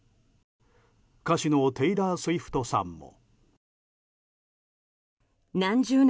歌手のテイラー・スウィフトさんも。